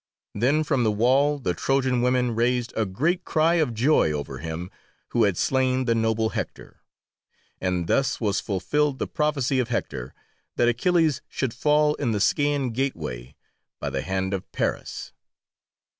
Then from the wall the Trojan women raised a great cry of joy over him who had slain the noble Hector: and thus was fulfilled the prophecy of Hector, that Achilles should fall in the Scaean gateway, by the hand of Paris.